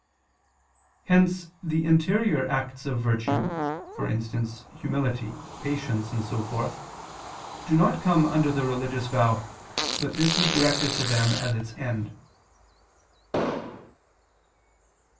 Hence the interior acts of virtue, for instance humility, patience, and so forth, do not come under the religious vow, but this is directed to them as its end.